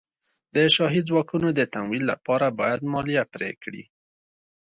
د شاهي ځواکونو د تمویل لپاره باید مالیه پرې کړي.